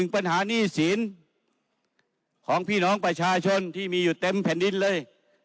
ปัญหานี่สินของพี่น้องประชาชนที่มีอยู่เต็มแผ่นดินเลย